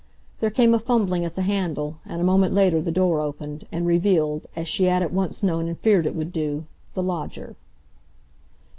There came a fumbling at the handle, and a moment later the door opened, and revealed, as she had at once known and feared it would do, the lodger.